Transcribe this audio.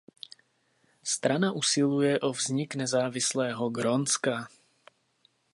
Strana usiluje o vznik nezávislého Grónska.